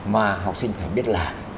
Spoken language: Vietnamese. mà học sinh phải biết làm